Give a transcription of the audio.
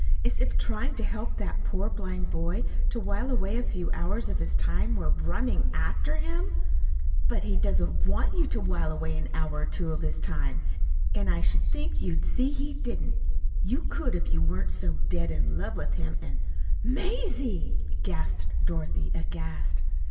"As if trying to help that poor blind boy to while away a few hours of his time were RUNNING AFTER HIM." "But he doesn't WANT you to while away an hour or two of his time. And I should think you'd see he didn't. You could if you weren't so dead in love with him, and " "Mazie!" gasped Dorothy, aghast.